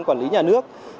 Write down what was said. quản lý nhà nước